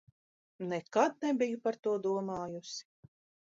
Nekad nebiju par to domājusi!